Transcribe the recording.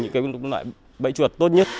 những loại bẫy chuột tốt nhất